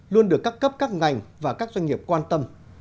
luôn được các cấp các ngành và các doanh nghiệp quan tâm